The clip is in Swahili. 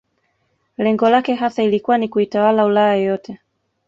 Lengo lake hasa ilikuwa ni kuitawala Ulaya yote